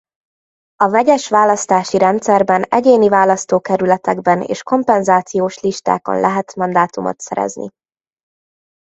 A vegyes választási rendszerben egyéni választókerületekben és kompenzációs listákon lehet mandátumot szerezni.